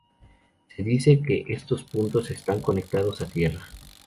Se dice que estos puntos están ""conectados a tierra"".